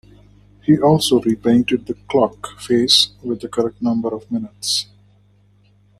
He also repainted the clock face with the correct number of minutes.